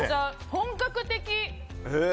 本格的！